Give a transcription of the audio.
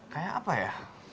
kayak apa yah